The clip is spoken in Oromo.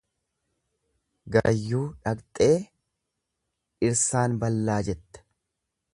Garayyuu dhaqxee dhirsaan ballaa jette.